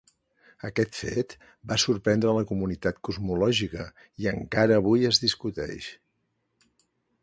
Aquest fet va sorprendre la comunitat cosmològica i encara avui es discuteix.